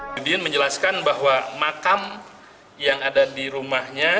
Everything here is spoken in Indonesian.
al yudin menjelaskan bahwa makam yang ada di rumahnya